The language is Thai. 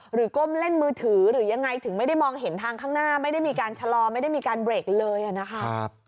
ก้มเล่นมือถือหรือยังไงถึงไม่ได้มองเห็นทางข้างหน้าไม่ได้มีการชะลอไม่ได้มีการเบรกเลยนะคะ